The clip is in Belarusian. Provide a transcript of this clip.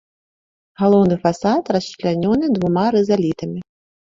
Галоўны фасад расчлянёны двума рызалітамі.